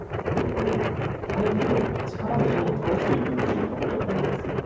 相手を力で倒していくっていう方ではないんです。